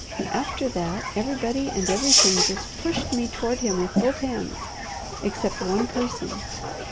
After that, everybody and everything just pushed me toward him with both hands, except one person.